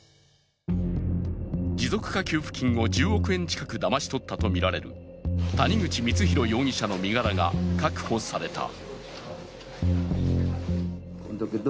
持続化給付金を１０億円近くだまし取ったとみられる谷口光弘容疑者の身柄が確保された。